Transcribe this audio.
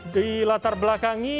di latar belakangi